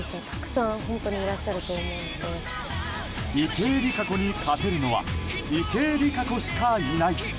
池江璃花子に勝てるのは池江璃花子しかいない。